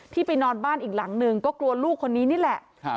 ไปนอนบ้านอีกหลังหนึ่งก็กลัวลูกคนนี้นี่แหละ